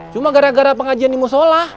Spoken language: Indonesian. cuma gara gara pengajian di musola